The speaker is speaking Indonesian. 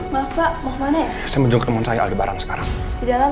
maaf pak mau kemana ya saya menunggu teman saya alih barang sekarang di dalam